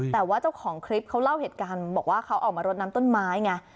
แต่ว่าเจ้าของคลิปเขาเล่าเหตุการณ์บอกว่าเขาออกมารดน้ำต้นไม้ไง